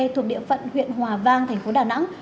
thuộc địa phận huyện hòa vang thành phố đà nẵng